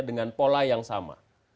dengan pola yang sama